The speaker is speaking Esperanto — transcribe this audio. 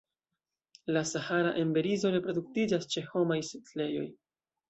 La Sahara emberizo reproduktiĝas ĉe homaj setlejoj.